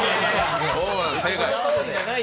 正解！